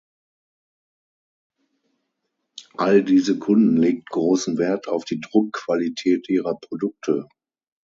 All diese Kunden legten großen Wert auf die Druckqualität ihrer Produkte.